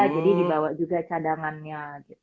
jadi dibawa juga cadangannya